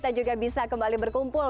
dan juga bisa kembali berkumpul